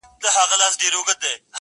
که دي زوی وي که دي ورور که دي بابا دی-